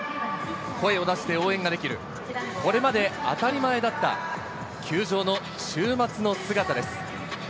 声を出して応援ができるこれまで当たり前だった球場の週末の姿です。